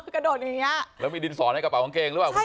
กระโดดอย่างนี้แล้วมีดินสอนในกระเป๋ากางเกงหรือเปล่าคุณ